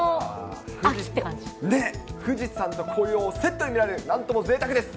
富士山と紅葉、セットに見られる、なんともぜいたくです。